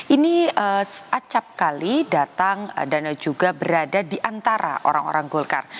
ini acapkali datang dan juga berada di antara orang orang golkar